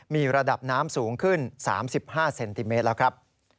มีระดับน้ำสูงขึ้น๓๕เซนติเมตรแล้วครับ